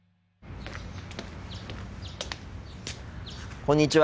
こんにちは。